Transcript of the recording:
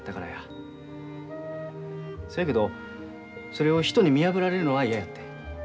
そやけどそれを人に見破られるのは嫌やってん。